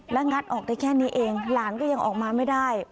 และงัดออกได้แค่นี้เองหลานก็ยังออกมาไม่ได้